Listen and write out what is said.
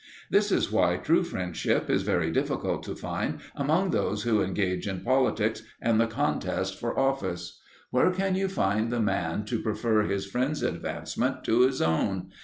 This is why true friendship is very difficult to find among those who engage in politics and the contest for office. Where can you find the man to prefer his friend's advancement to his own?